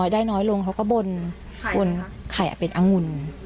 ได้น้อยลงเขาก็บนไข่เป็นองุ่น